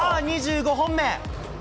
２５本目。